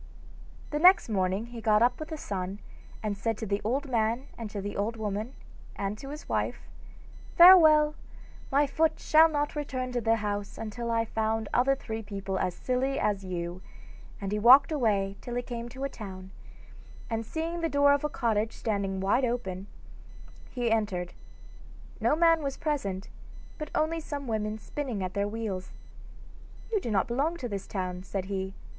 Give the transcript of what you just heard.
The next morning he got up with the sun, and said to the old man and to the old woman and to his wife: 'Farewell: my foot shall not return to the house till I have found other three people as silly as you,' and he walked away till he came to the town, and seeing the door of a cottage standing open wide, he entered. No man was present, but only some women spinning at their wheels. 'You do not belong to this town,' said he.